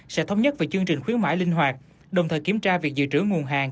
sẽ thống nhất về chương trình khuyến mãi linh hoạt đồng thời kiểm tra việc dự trữ nguồn hàng